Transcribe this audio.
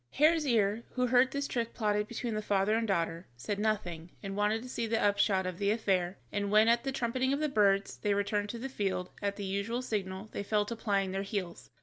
Hare's ear, who heard this trick plotted between the father and daughter, said nothing, and wanted to see the upshot of the affair, and when, at the trumpeting of the birds, they returned to the field, at the usual signal they fell to plying their heels.